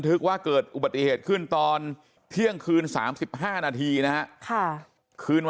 กว่าเกิดอุบัติเหตุขึ้นตอนเที่ยงคืน๓๕นาทีนะฮะคืนวัน